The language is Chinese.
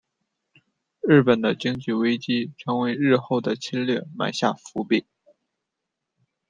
日本的经济危机成为日后的侵略埋下伏笔。